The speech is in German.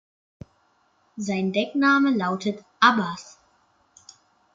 Sein Deckname lautet Abbas.